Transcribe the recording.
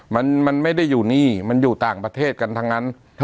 มันไม่ได้อยู่นี่มันอยู่ต่างประเทศกันทั้งนั้น